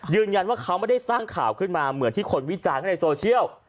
ยืนยันว่าเขาไม่ได้สร้างข่าวขึ้นมาเหมือนที่คนวิจารณ์ในโซเชียล